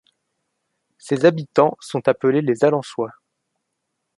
Ses habitants sont appelés les Allencois.